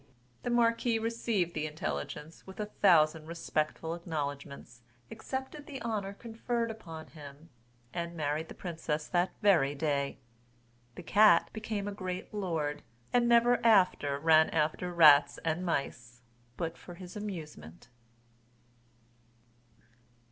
The marquis received the intelligence with a thousand respectful acknowledgments, accepted the honour conferred upon him, and married the princess that very day. The cat became a great lord, and never after ran after rats and mice but for his amusement.